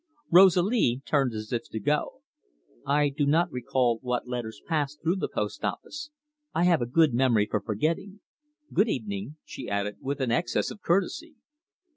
Rosalie turned as if to go. "I do not recall what letters pass through the post office. I have a good memory for forgetting. Good evening," she added, with an excess of courtesy.